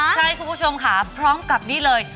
ใช่คุณผู้ชมค่ะพร้อมกับนี่เลย